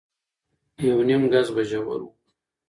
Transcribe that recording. يونيم ګز به ژور و.